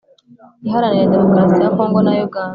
Iharanira Demokarasi ya Congo na Uganda